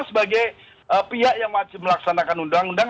sebagai pihak yang masih melaksanakan undang undang